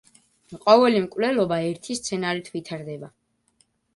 ყოველი მკვლელობა ერთი სცენარით ვითარდება.